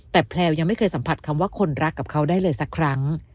แต่แพลวยังไม่เคยสัมผัสคำว่าคนรักกับเขาได้เลยสักครั้ง